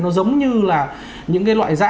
nó giống như là những cái loại giá